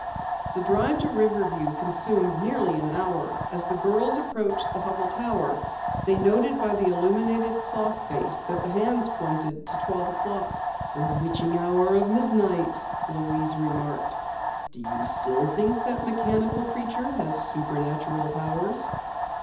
The drive to Riverview consumed nearly an hour. As the girls approached the Hubell Tower, they noted by the illuminated clock face that the hands pointed to twelve o'clock. "The witching hour of midnight," Louise remarked. "Do you still think that mechanical creature has supernatural powers?"